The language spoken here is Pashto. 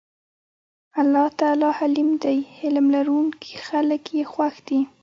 الله تعالی حليم دی حِلم لرونکي خلک ئي خوښ دي